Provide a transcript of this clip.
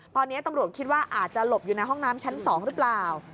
ตอนนี้ตำรวจคิดว่าอาจจะหลบอยู่ในห้องน้ำชั้น๒หรือเปล่า